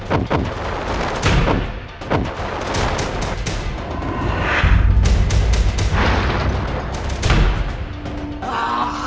peresahan dan keuangan lebih jauh